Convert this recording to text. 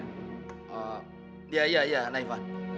nah pak dia ya ya naifah